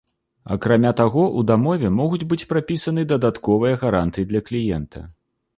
Акрамя таго, у дамове могуць быць прапісаны дадатковыя гарантыі для кліента.